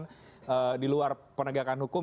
di luar penegakan hukum di luar penegakan hukum